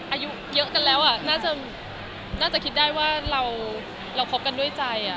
อายุเยอะกันแล้วน่าจะคิดได้ว่าเราคบกันด้วยใจ